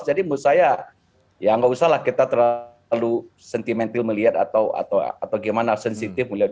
jadi menurut saya ya tidak usah kita terlalu sentimental melihat atau sensitif melihat